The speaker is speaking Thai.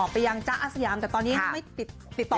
ไปยังจ๊ะอาสยามแต่ตอนนี้ไม่ติดต่อ